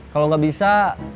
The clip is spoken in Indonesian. kalau gak bisa